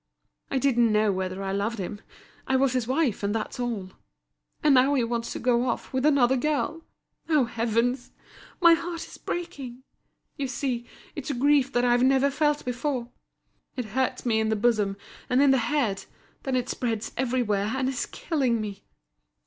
I didn't know whether I loved him. I was his wife, and that's all. And now he wants to go off with another girl! Oh, heavens! my heart is breaking! You see, it's a grief that I've never felt before. It hurts me in the bosom, and in the head; then it spreads everywhere, and is killing me."